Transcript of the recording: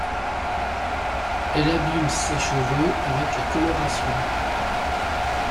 Elle abîme ses cheveux avec la coloration.